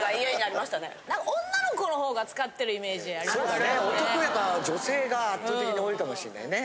そうだね女性が圧倒的に多いかもしんないね。